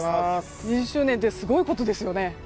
２０周年ってすごいことですよね。